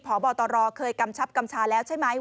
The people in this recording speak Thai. พบตรเคยกำชับกำชาแล้วใช่ไหม